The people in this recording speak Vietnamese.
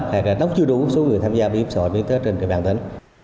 hay là đóng chưa đủ số người tham gia bảo hiểm xã hội miễn phí trên bản thân